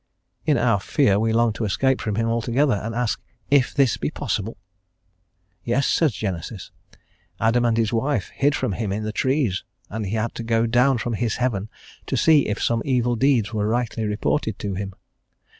In our fear we long to escape from Him altogether and ask if this be possible? "Yes," says Genesis. "Adam and his wife hid from Him in the trees, and He had to go down from His heaven to see if some evil deeds were rightly reported to Him."